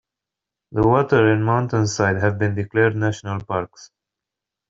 The water and mountainside have been declared national parks.